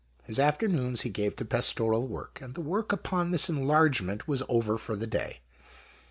His afternoons he gavei to pastoral work, and the work upon thi&i enlargement was over for the day.